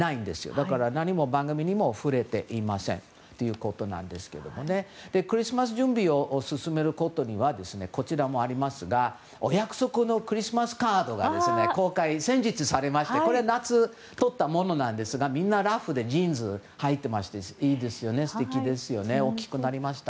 だから何も番組にも触れていませんということですがクリスマス準備を進めることにはこちらもありますがお約束のクリスマスカードが先日、公開されましてこれは夏撮ったものなんですがみんなラフでジーンズはいてまして大きくなりました！